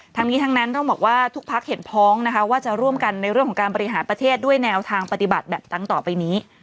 ทั้งนี้ทั้งนั้นต้องบอกว่าทุกพักเห็นพ้องนะคะว่าจะร่วมกันในเรื่องของการบริหารประเทศด้วยแนวทางปฏิบัติแบบตั้งต่อไปนี้